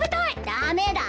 ダメだ！